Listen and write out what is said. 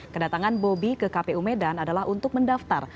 kedatangan bobi ke kpu medan adalah untuk mendaftar